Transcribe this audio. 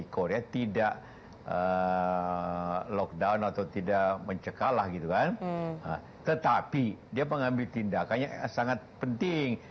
korea tidak lockdown atau tidak mencekalah gitu kan tetapi dia mengambil tindakannya sangat penting